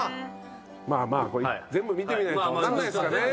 まあまあ全部見てみないとわかんないですかね。